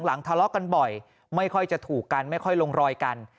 ทะเลาะกันบ่อยไม่ค่อยจะถูกกันไม่ค่อยลงรอยกัน